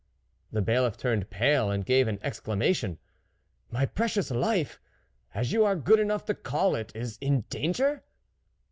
The Bailiff turned pale and gave an exclamation. " My precious life, as you are good enough to call it, is in danger